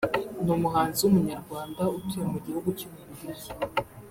ni umuhanzi w’Umunyarwanda utuye mu gihugu cy’u Bubiligi